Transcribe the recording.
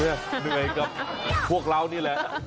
เหนื่อยกับพวกเรานี่แหละ